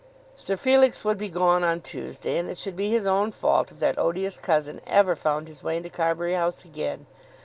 Sir Felix would be gone on Tuesday, and it should be his own fault if that odious cousin ever found his way into Carbury House again!